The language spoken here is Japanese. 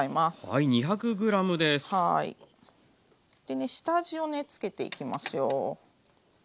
でね下味をつけていきますよ。